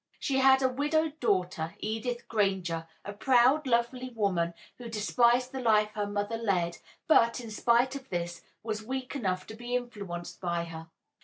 She had a widowed daughter, Edith Granger, a proud, lovely woman, who despised the life her mother led, but, in spite of this, was weak enough to be influenced by her.